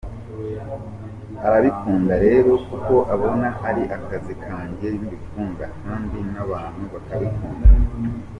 Arabikunda rero kuko abona ari akazi kanjye mbikunda kandi n’abantu bakabikunda.